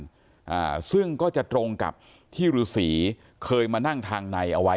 อ่าซึ่งก็จะตรงกับที่ฤษีเคยมานั่งทางในเอาไว้